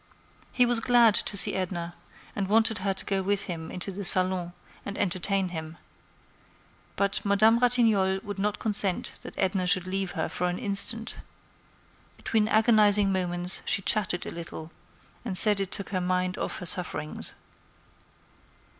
He was glad to see Edna, and wanted her to go with him into the salon and entertain him. But Madame Ratignolle would not consent that Edna should leave her for an instant. Between agonizing moments, she chatted a little, and said it took her mind off her sufferings.